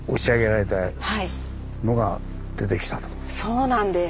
そうなんです。